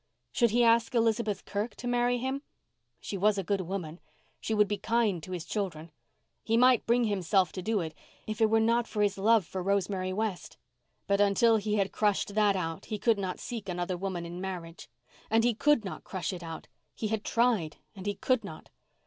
Should he ask Elizabeth Kirk to marry him? She was a good woman—she would be kind to his children. He might bring himself to do it if it were not for his love for Rosemary West. But until he had crushed that out he could not seek another woman in marriage. And he could not crush it out—he had tried and he could not.